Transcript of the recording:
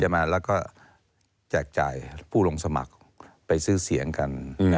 มาแล้วก็แจกจ่ายผู้ลงสมัครไปซื้อเสียงกัน